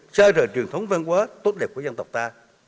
xa rời truyền thống văn hóa tốt đẹp của dân tộc ta